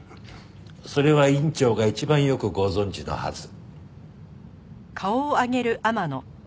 それは院長が一番よくご存じのはず。